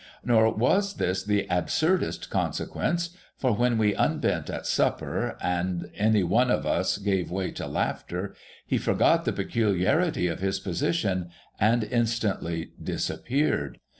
Nor was this the absurdest consequence ; for when we unbent at supper, and any one of us gave way to laughter, he forgot the peculiarity of his position, and instantly disappeared.